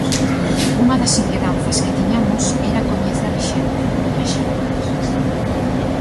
Unha das inquedanzas que tiñamos era coñecer xente, viaxar.